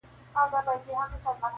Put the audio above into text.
کيسه د بحث مرکز ګرځي تل,